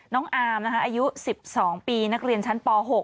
อามอายุ๑๒ปีนักเรียนชั้นป๖